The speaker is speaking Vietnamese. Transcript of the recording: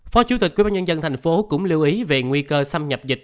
phó chủ tịch quy bản nhân dân thành phố cũng lưu ý về nguy cơ xâm nhập dịch